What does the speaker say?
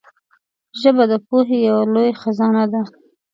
ژبه د پوهې یو لوی خزانه ده